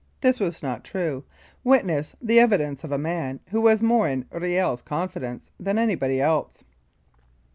This was not true, witness the evidence of a man who was more in Kiel's confidence than anybody else.